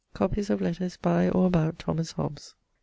<_Copies of letters by, or about, Thomas Hobbes.